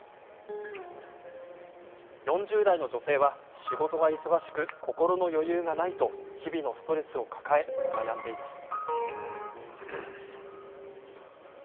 ４０代の女性は仕事が忙しく心の余裕がないと日々のストレスを抱え悩んでいます。